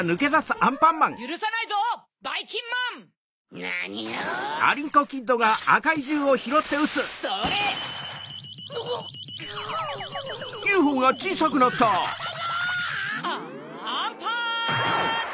アンパンチ！